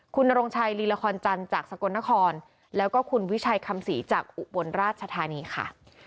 คุณนรงชัยลีละครจันทร์จากสกลนครแล้วก็คุณวิชัยคำศรีจากอุบลราชธานีค่ะ